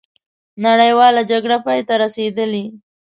نړیواله جګړه پای ته رسېدلې.